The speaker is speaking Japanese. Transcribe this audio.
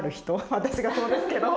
私がそうですけど。